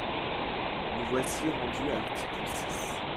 Nous voici rendus à l’article six.